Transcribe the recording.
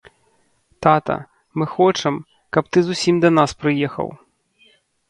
Тата, мы хочам, каб ты зусім да нас прыехаў.